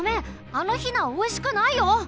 あのヒナおいしくないよ！